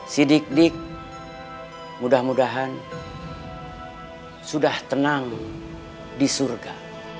si dik dik mudah mudahan sudah tenang di surga